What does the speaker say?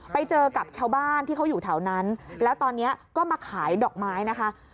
ไปเจอกับชาวบ้านที่เขาอยู่แถวนั้นแล้วตอนนี้ก็มาขายดอกไม้นะคะ